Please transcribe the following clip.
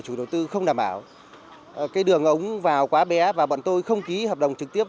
chủ đầu tư không đảm bảo cái đường ống vào quá bẽ và bọn tôi không ký hợp đồng trực tiếp